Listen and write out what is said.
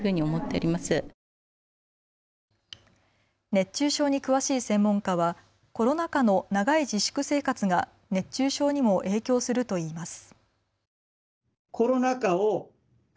熱中症に詳しい専門家はコロナ禍の長い自粛生活が熱中症にも影響するといいます。